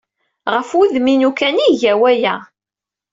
Ɣef wudem-inu kan ay iga aya.